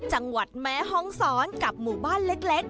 จังหวัดแม่ฮองศรกับหมู่บ้านเล็ก